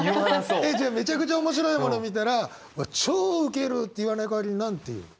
めちゃくちゃ面白いものを見たら「超ウケる」って言わない代わりに何て言うの？